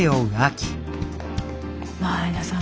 前田さん